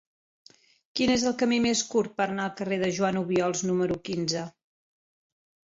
Quin és el camí més curt per anar al carrer de Joan Obiols número quinze?